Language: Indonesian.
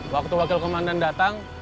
waktu wakil komandan datang